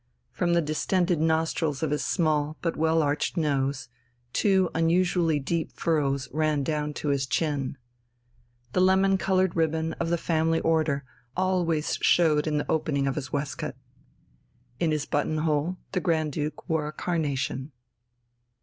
From the distended nostrils of his small but well arched nose, two unusually deep furrows ran down to his chin. The lemon coloured ribbon of the Family Order always showed in the opening of his waistcoat. In his buttonhole the Grand Duke wore a carnation.